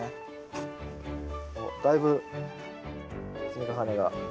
おっだいぶ積み重ねが。